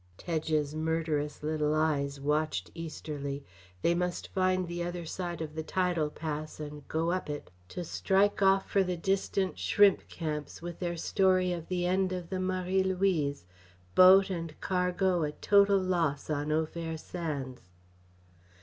Tedge's murderous little eyes watched easterly. They must find the other side of the tidal pass and go up it to strike off for the distant shrimp camps with their story of the end of the Marie Louise boat and cargo a total loss on Au Fer sands.